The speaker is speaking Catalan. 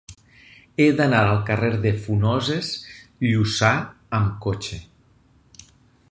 He d'anar al carrer de Funoses Llussà amb cotxe.